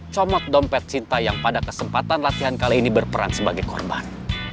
comot dompet cinta yang pada kesempatan latihan kali ini berperan sebagai korban